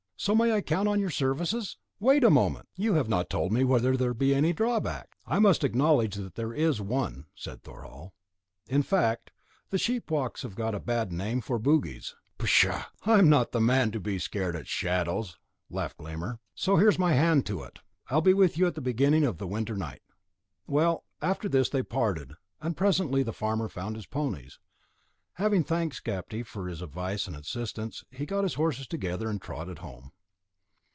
"So I may count on your services?" "Wait a moment! You have not told me whether there be any drawback." "I must acknowledge that there is one," said Thorhall; "in fact, the sheepwalks have got a bad name for bogies." "Pshaw! I'm not the man to be scared at shadows," laughed Glámr; "so here's my hand to it; I'll be with you at the beginning of the winter night." Well, after this they parted, and presently the farmer found his ponies. Having thanked Skapti for his advice and assistance, he got his horses together and trotted home.